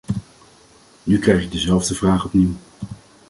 Nu krijg ik dezelfde vraag opnieuw.